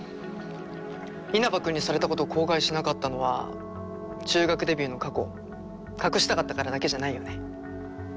稲葉君にされたことを口外しなかったのは中学デビューの過去を隠したかったからだけじゃないよね？